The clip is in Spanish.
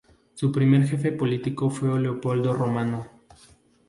Su primer jefe político fue Leopoldo Romano.